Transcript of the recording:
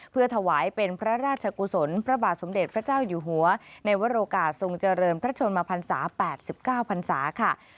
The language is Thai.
เพื่อถวายเป็นพระราชกุศลพระบาทสมเด็จพระเจ้าอยู่หัวในวรโอกาสทรงเจริญพระชนมพันศา๘๙พันศาค่ะ